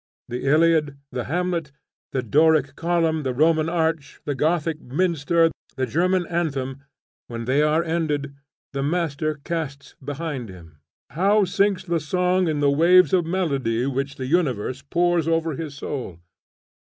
The Iliad, the Hamlet, the Doric column, the Roman arch, the Gothic minster, the German anthem, when they are ended, the master casts behind him. How sinks the song in the waves of melody which the universe pours over his soul!